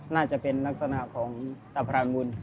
น่าจะเป็นลักษณะของตะพรานบุญ